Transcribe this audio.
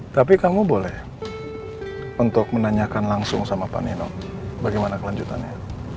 tapi kamu boleh untuk menanyakan langsung sama pak nino bagaimana kelanjutannya